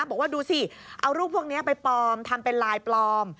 บอกว่าดูสิเอารูปพวกนี้ไปปลอมทำเป็นไลน์ปลอม